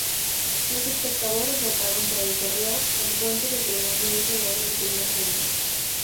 Los espectadores votaban por correo el cuento que creían merecedor del primer premio.